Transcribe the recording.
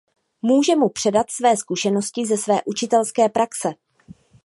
Může mu předat své zkušenosti ze své učitelské praxe.